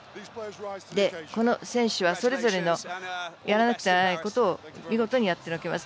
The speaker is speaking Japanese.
この選手はそれぞれのやらなくちゃいけないことを見事にやってのけます。